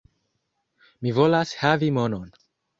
Mi volas havi monon.